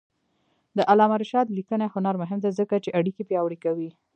د علامه رشاد لیکنی هنر مهم دی ځکه چې اړیکې پیاوړې کوي.